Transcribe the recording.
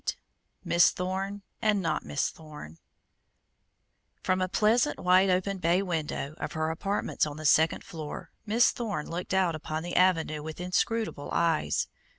VIII MISS THORNE AND NOT MISS THORNE From a pleasant, wide open bay window of her apartments on the second floor, Miss Thorne looked out upon the avenue with inscrutable eyes.